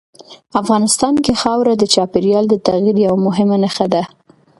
افغانستان کې خاوره د چاپېریال د تغیر یوه مهمه نښه ده.